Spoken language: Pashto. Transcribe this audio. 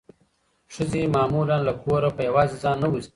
ښځې معمولا له کوره په یوازې ځان نه وځي.